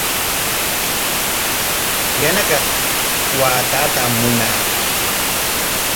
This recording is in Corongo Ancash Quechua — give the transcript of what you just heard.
Yana kaq waakatam munaa.